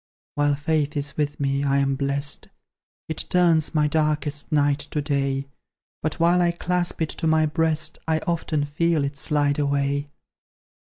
While Faith is with me, I am blest; It turns my darkest night to day; But while I clasp it to my breast, I often feel it slide away.